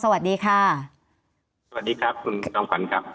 สวัสดีครับคุณน้องฟันครับ